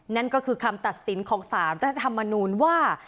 นั่นก็คือคำตัดสินของสารรัฐธรรมนูญว่า